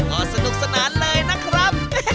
ก็สนุกสนานเลยนะครับ